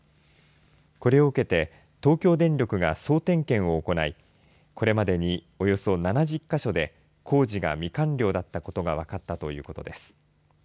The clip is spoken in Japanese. これを受けて、東京電力が総点検を行いこれまでに、およそ７０か所で工事が未完了だったことが分かったという言うことです。